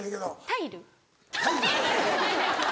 タイル。